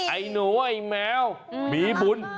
ไอ้หนูไอ้แมวมีบุญ